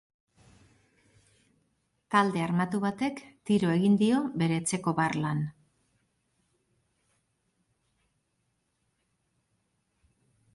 Talde armatu batek tiro egin dio bere etxeko barlan.